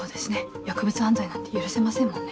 薬物犯罪なんて許せませんもんね。